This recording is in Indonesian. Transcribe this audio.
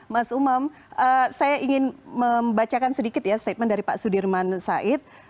mas umam saya ingin membacakan sedikit ya statement dari pak sudirman said